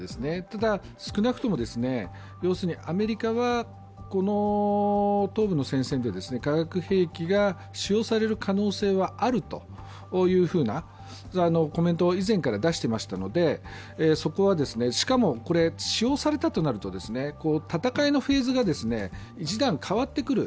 ただ、少なくとも、要するにアメリカは東部の戦争で化学兵器が使用される可能性はあるというコメントを以前から出していましたので、そこはしかも、これ使用されたとなると戦いのフェーズが一段変わってくる。